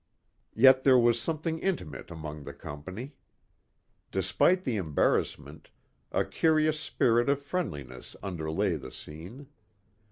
Yet there was something intimate among the company. Despite the embarrassment, a curious spirit of friendliness underlay the scene.